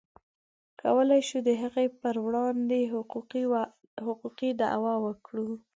کولی شو د هغې پر وړاندې حقوقي دعوه وکړو.